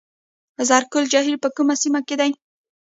زرکول جهیل په کومه سیمه کې دی؟